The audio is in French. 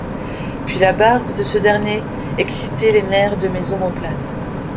puis la barbe de ce dernier exciter les nerfs de mes omoplates.